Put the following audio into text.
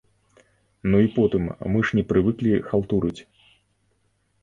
Ну і потым, мы ж не прывыклі халтурыць!